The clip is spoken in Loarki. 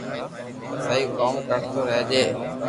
سھي ڪوم ڪرتو رھجي